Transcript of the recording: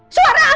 suara apa itu